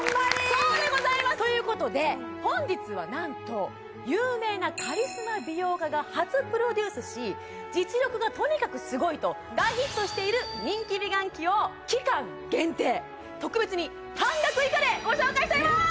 そうでございますということで本日は何と有名な実力がとにかくスゴいと大ヒットしている人気美顔器を期間限定特別に半額以下でご紹介しちゃいます